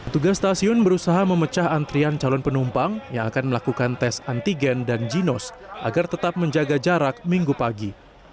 tugas stasiun berusaha memecah antrian calon penumpang yang akan melakukan tes antigen dan ginos agar tetap menjaga jarak minggu pagi